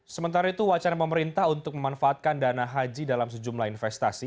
sementara itu wacana pemerintah untuk memanfaatkan dana haji dalam sejumlah investasi